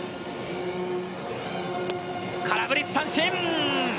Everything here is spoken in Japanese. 空振り三振！